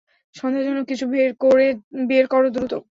সন্দেহজনক কিছু খুঁজে বের করো, দ্রুত।